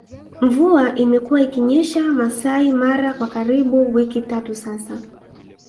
Mvua imekuwa ikinyesha Maasai Mara kwa karibu wiki tatu sasa